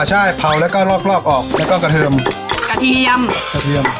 ใช่เผาแล้วก็ลอกลอกออกแล้วก็กระเทือมกระเทียมกระเทียม